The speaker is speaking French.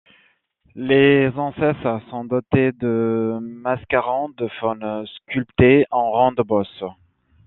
Les anses sont dotées de mascarons de faunes, sculptés en ronde-bosse.